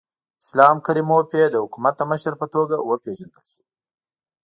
اسلام کریموف یې د حکومت د مشر په توګه وپېژندل شو.